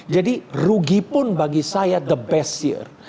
jadi rugi pun bagi saya the best year